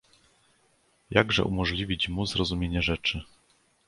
"Jakże umożliwić mu zrozumienie rzeczy?"